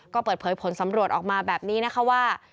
ก็เปิดเผยผลสำรวจออกมาแบบนี้นะคะว่า